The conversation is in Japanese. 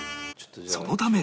そのため